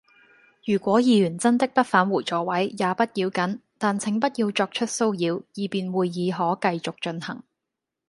如果議員真的不返回座位，也不要緊，但請不要作出騷擾，以便會議可繼續進行。